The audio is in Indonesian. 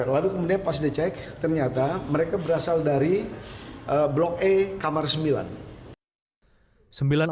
lalu kemudian pas dicek ternyata mereka berasal dari blok e kamar sembilan